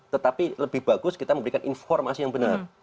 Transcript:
tetapi lebih bagus kita memberikan informasi yang benar